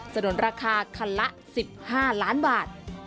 ถนนราคาคันละ๑๕ล้านบาท